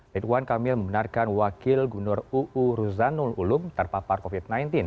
ridwan kamil membenarkan wakil gubernur uu ruzanul ulum terpapar covid sembilan belas